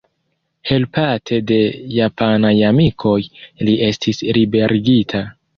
Helpate de japanaj amikoj, li estis liberigita.